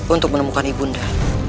untuk menemukan ibu nda